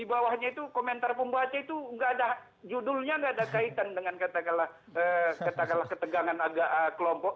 di bawahnya itu komentar pembaca itu judulnya tidak ada kaitan dengan katakanlah ketegangan agak kelompok